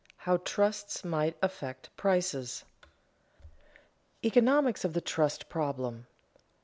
HOW TRUSTS MIGHT AFFECT PRICES [Sidenote: Economics of the trust problem] 1.